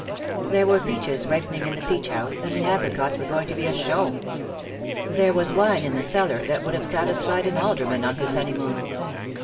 There were peaches ripening in the peach house, and the apricots were going to be a show. There was wine in the cellar that would have satisfied an alderman on his honeymoon.